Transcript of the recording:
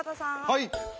はい。